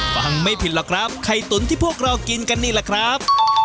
ฟังไม่ผิดหรอกครับไข่ตุ๋นที่พวกเรากินกันนี่แหละครับ